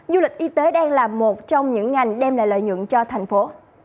du lịch y tế đang là một trong những ngành đem lại lợi nhuận cho thành phố